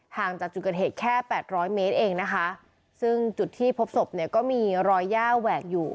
จากจุดเกิดเหตุแค่แปดร้อยเมตรเองนะคะซึ่งจุดที่พบศพเนี่ยก็มีรอยย่าแหวกอยู่